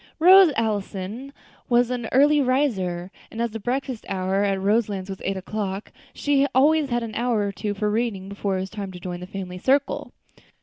Rose Allison was an early riser, and as the breakfast hour at Roselands was eight o'clock, she always had an hour or two for reading before it was time to join the family circle.